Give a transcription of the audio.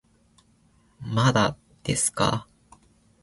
まだですかー